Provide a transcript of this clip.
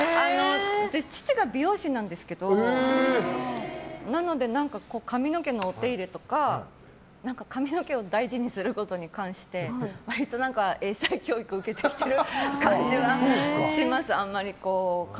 父が美容師なんですけどなので、髪の毛のお手入れとか髪の毛を大事にすることに関して割と英才教育を受けてきてる感じはします。